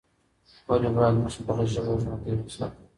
ولې باید موږ خپله ژبه ژوندۍ وساتو؟